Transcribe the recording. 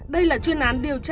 đây là chuyên án điều tra